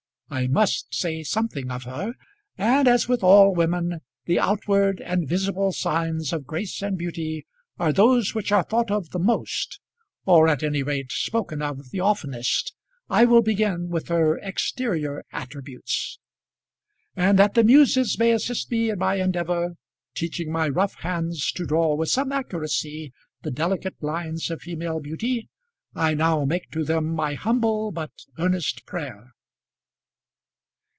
I must say something of her; and as, with all women, the outward and visible signs of grace and beauty are those which are thought of the most, or at any rate spoken of the oftenest, I will begin with her exterior attributes. And that the muses may assist me in my endeavour, teaching my rough hands to draw with some accuracy the delicate lines of female beauty, I now make to them my humble but earnest prayer.